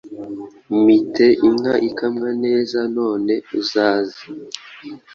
Mite inka ikamwa neza none uzaze